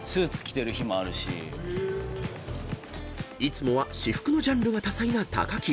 ［いつもは私服のジャンルが多彩な木］